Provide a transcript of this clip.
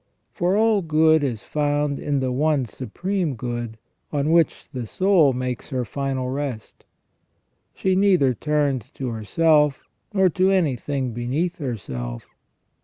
For all good is found in the One Supreme Good, on which the soul makes her final rest. She neither turns to herself, nor to anything beneath herself.